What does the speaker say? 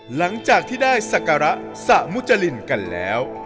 หลังจากที่ได้สักการะสะมุจรินกันแล้ว